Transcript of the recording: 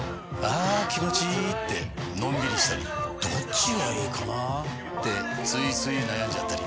あ気持ちいいってのんびりしたりどっちがいいかなってついつい悩んじゃったり。